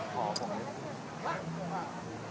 โปรดติดตามต่อไป